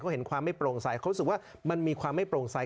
เขาเห็นความไม่โปร่งใสเขารู้สึกว่ามันมีความไม่โปร่งใส